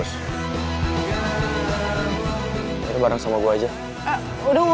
sampai dengan ada lu